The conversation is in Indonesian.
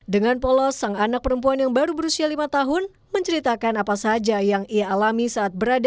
dengan polos sang anak perempuan yang baru berusia lima tahun menceritakan apa saja yang ia alami saat berada